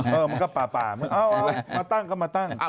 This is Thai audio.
เออมันก็ป่าเอามาตั้งก็มาตั้ง